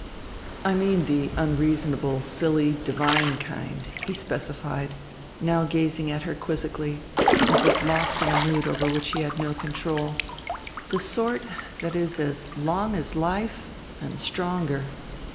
"I mean the unreasonable silly divine kind," he specified, now gazing at her quizzically, as if lost in a mood over which he had no control; "the sort that is as long as life and stronger.